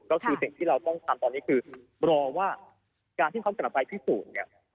ก็คือสิ่งที่เราต้องทำตอนนี้คือรอว่าการที่เขากลับไปพิสูจน์เนี่ย